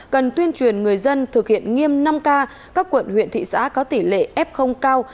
cần tuyên truyền người dân thực hiện nghiêm năm k các quận huyện thị xã có tỷ lệ f cao